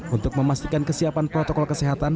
untuk memastikan kesiapan protokol kesehatan